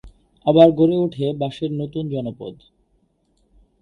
আবার গড়ে ওঠে বাঁশের নতুন জনপদ।